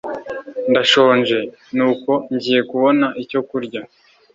Ndashonje, nuko ngiye kubona icyo kurya.